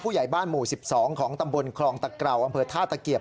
ใหญ่บ้านหมู่๑๒ของตำบลคลองตะเกราวอำเภอท่าตะเกียบ